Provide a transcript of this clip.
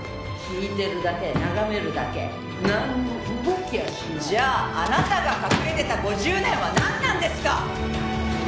「聞いてるだけ眺めるだけなんも動きゃしない」「じゃああなたが隠れてた５０年はなんなんですか！」